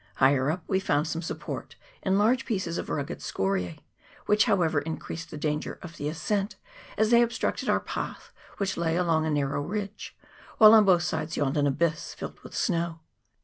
Higher up we found some support in large pieces of rugged scoriae, which, however, increased the danger of the ascent, as they obstructed our path, which lay along a nar row ridge, while on both sides yawned an abyss filled with snow.